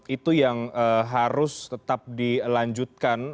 itu yang harus tetap dilanjutkan